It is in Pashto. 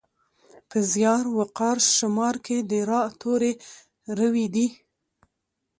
په زیار، وقار، شمار کې د راء توری روي دی.